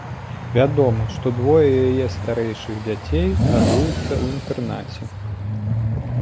Вядома, што двое яе старэйшых дзяцей гадуюцца ў інтэрнаце.